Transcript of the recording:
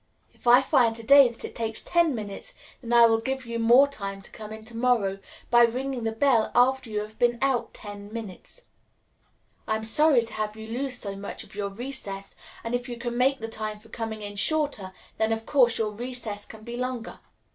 If I find to day that it takes ten minutes, then I will give you more time to come in to morrow, by ringing the bell after you have been out ten minutes." "I am sorry to have you lose so much of your recess, and if you can make the time for coming in shorter, then, of course, your recess can be longer.